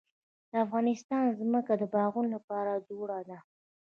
د افغانستان ځمکه د باغونو لپاره جوړه ده.